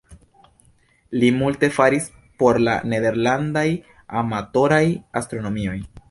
Li multe faris por la nederlandaj amatoraj astronomoj.